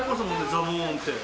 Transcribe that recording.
ザボンって。